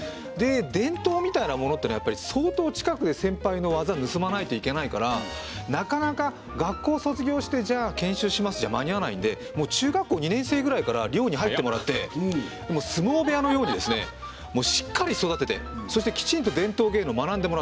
伝統みたいなものっていうのはやっぱり相当近くで先輩の技を盗まないといけないからなかなか学校を卒業してじゃあ研修しますじゃ間に合わないんでもう中学校２年生ぐらいから寮に入ってもらって相撲部屋のようにですねもうしっかり育ててそしてきちんと伝統芸能を学んでもらって。